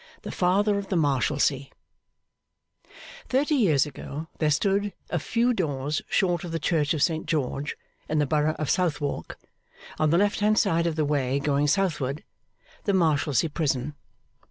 The Father of the Marshalsea Thirty years ago there stood, a few doors short of the church of Saint George, in the borough of Southwark, on the left hand side of the way going southward, the Marshalsea Prison.